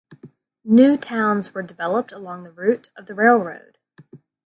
New towns were developed along the route of the railroad.